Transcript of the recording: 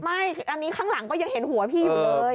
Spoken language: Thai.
ไม่อันนี้ข้างหลังก็ยังเห็นหัวพี่อยู่เลย